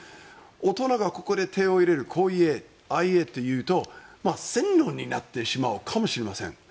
大人がここで手を入れるこう言え、ああ言えと言うと洗脳になってしまうかもしれません。